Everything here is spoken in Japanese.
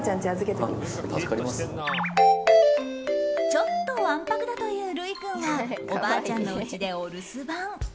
ちょっとわんぱくだというルイ君はおばあちゃんのおうちでお留守番。